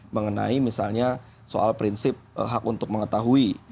mengenai misalnya soal prinsip hak untuk mengetahui